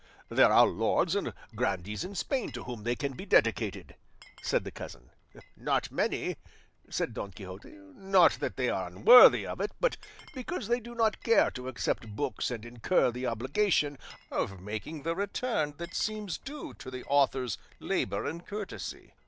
"There are lords and grandees in Spain to whom they can be dedicated," said the cousin. "Not many," said Don Quixote; "not that they are unworthy of it, but because they do not care to accept books and incur the obligation of making the return that seems due to the author's labour and courtesy.